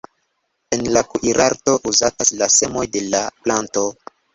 En la kuirarto uzatas la semoj de la planto.